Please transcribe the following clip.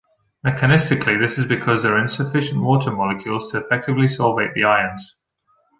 Mechanistically this is because there are insufficient water molecules to effectively solvate the ions.